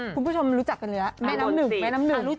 คุณผู้ชมรู้จักกันเลยแม่น้ำหนึ่งแม่น้ำหนึ่ง